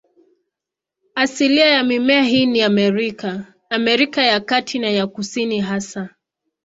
Asilia ya mimea hii ni Amerika, Amerika ya Kati na ya Kusini hasa.